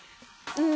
うん。